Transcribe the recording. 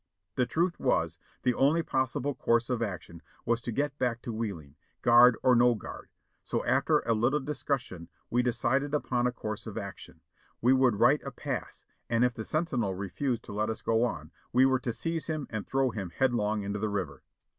The truth was, the only possible course of action was to get back to Wheeling, guard or no guard, so after a little discussion 490 JOHNNY REB AND BILLY YANK we decided upon a course of action ; we would write a pass, and if the sentinel refused to let us go on, we were to seize him and throw him headlong into the river.